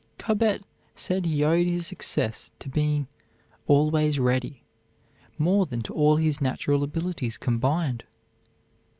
Cobbett said he owed his success to being "always ready" more than to all his natural abilities combined.